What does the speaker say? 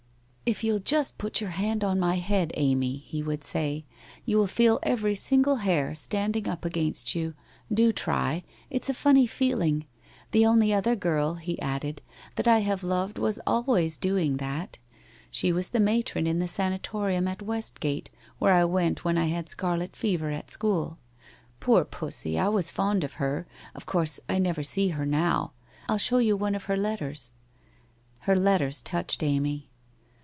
'If you'll just put your hand on my head, Amy/ he would say, 'you will feel every single hair standing up against you. Do try. It's a funny feeling. The only other girl/ he added, ' that I have loved was always doing that. She was the matron in the sanatorium at Westgate, where I went when I had scarlet fever at school. Poor Pussy, I was fond of her. Of course I never see her now. I'll show you one of her letters/ Her letters touched Amy.